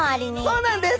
そうなんです。